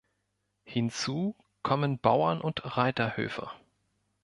Hinzu kommen Bauern- und Reiterhöfe.